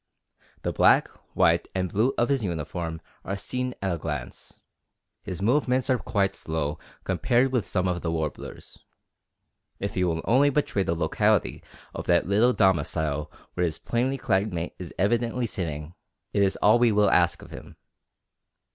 The black, white, and blue of his uniform are seen at a glance. His movements are quite slow compared with some of the warblers. If he will only betray the locality of that little domicile where his plainly clad mate is evidently sitting, it is all we will ask of him.